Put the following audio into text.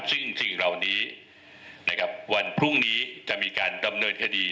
ซึ่งสิ่งเหล่านี้นะครับวันพรุ่งนี้จะมีการดำเนินคดี